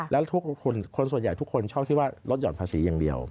แล้วทุกคนส่วนใหญ่ทุกคนชอบที่ว่าลดห่อนภาษีอย่างเดียว